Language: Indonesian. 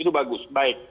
itu bagus baik